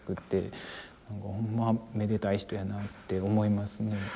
ほんまめでたい人やなって思いますね。